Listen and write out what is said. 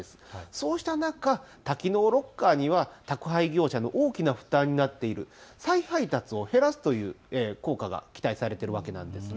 そうした中、多機能ロッカーには宅配業者の大きな負担になっている再配達を減らすという効果が期待されているわけなんです。